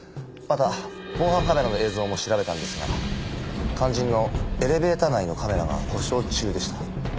また防犯カメラの映像も調べたんですが肝心のエレベーター内のカメラが故障中でした。